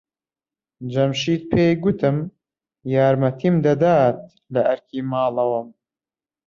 جەمشید پێی گوتم یارمەتیم دەدات لە ئەرکی ماڵەوەم.